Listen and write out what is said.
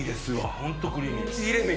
本当、クリーミー。